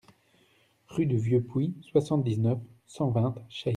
Rue du Vieux Puit, soixante-dix-neuf, cent vingt Chey